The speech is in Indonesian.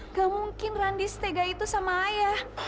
nggak mungkin randy setega itu sama ayah